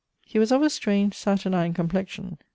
He was of a strange Saturnine complexion.